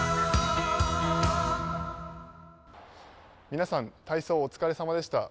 皆さん、体操お疲れさまでした。